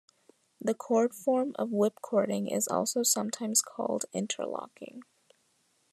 The cord form of whipcording is also sometimes called Interlocking.